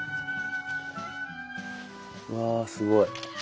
うわすごい。